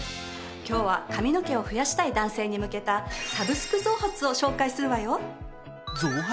今日は髪の毛を増やしたい男性に向けたサブスク増髪を紹介するわよ。